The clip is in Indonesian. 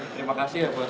terima kasih ya buat